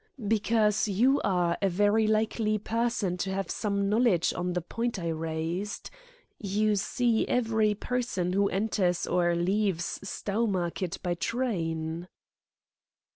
"Because you are a very likely person to have some knowledge on the point I raised. You see every person who enters or leaves Stowmarket by train."